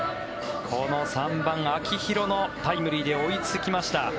この３番、秋広のタイムリーで追いつきました。